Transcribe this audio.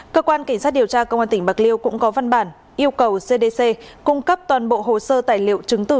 cơ quan cảnh sát điều tra công an tỉnh bạc liêu cũng có văn bản yêu cầu cdc cung cấp toàn bộ hồ sơ tài liệu chứng từ